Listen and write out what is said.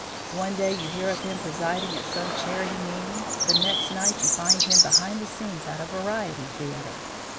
One day you hear of him presiding at some charity meeting; the next night you find him behind the scenes at a variety theatre.